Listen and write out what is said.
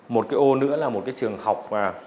một ô nữa là một trường học